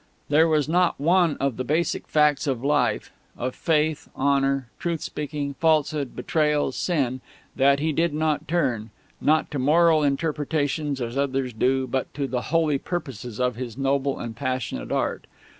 There was not one of the basic facts of life of Faith, Honour, Truth speaking, Falsehood, Betrayal, Sin that he did not turn, not to moral interpretations, as others do, but to the holy purposes of his noble and passionate Art.